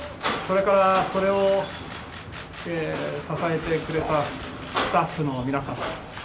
それから、それを支えてくれたスタッフの皆様